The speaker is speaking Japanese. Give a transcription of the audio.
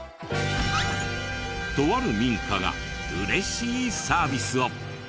とある民家が嬉しいサービスを。